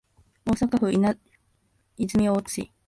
大阪府泉大津市